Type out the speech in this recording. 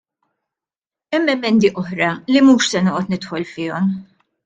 Hemm emendi oħra li mhux se noqgħod nidħol fihom.